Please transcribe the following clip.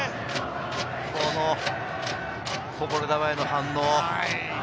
こぼれ球への反応。